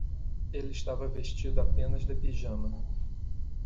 Ele estava vestido apenas de pijama.